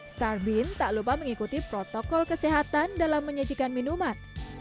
starbeam tak lupa mengikuti protokol kesehatan dalam menyajikan minuman